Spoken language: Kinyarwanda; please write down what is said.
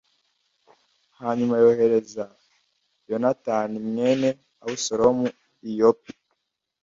hanyuma yohereza yonatani mwene abusalomu i yope